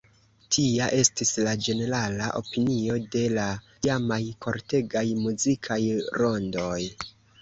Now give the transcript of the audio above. Tia estis la ĝenerala opinio de la tiamaj kortegaj muzikaj rondoj.